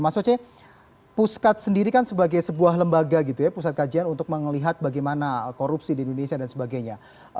mas oce puskat sendiri kan sebagai sebuah lembaga gitu ya pusat kajian untuk melihat bagaimana korupsi di indonesia dan sebagainya